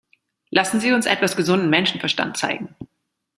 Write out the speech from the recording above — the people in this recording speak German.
Lassen Sie uns etwas gesunden Menschenverstand zeigen!